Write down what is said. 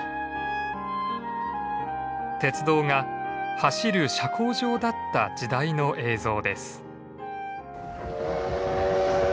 鉄道が走る社交場だった時代の映像です。